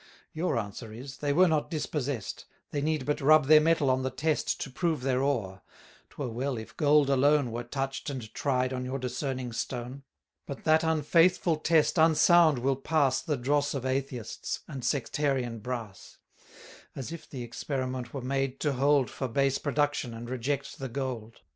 Your answer is, they were not dispossess'd; They need but rub their metal on the test To prove their ore: 'twere well if gold alone Were touch'd and tried on your discerning stone; But that unfaithful Test unsound will pass The dross of atheists, and sectarian brass: As if the experiment were made to hold 740 For base production, and reject the gold.